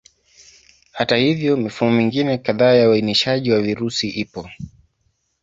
Hata hivyo, mifumo mingine kadhaa ya uainishaji wa virusi ipo.